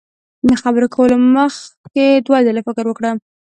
له خبرو کولو مخ کي دوه ځلي فکر وکړه